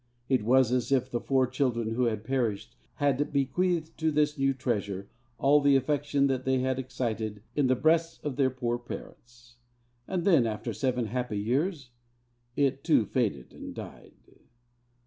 It was as if the four children who had perished had bequeathed to this new treasure all the affection that they had excited in the breasts of their poor parents. And then, after seven happy years, it too faded and died.